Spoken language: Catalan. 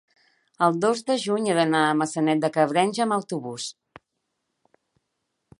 el dos de juny he d'anar a Maçanet de Cabrenys amb autobús.